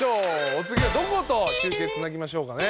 お次はどこと中継繋ぎましょうかね？